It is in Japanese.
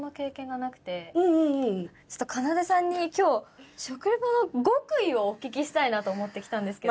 ちょっとかなでさんに今日食レポの極意をお聞きしたいなと思って来たんですけど。